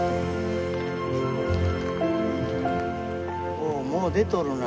おおもう出とるな。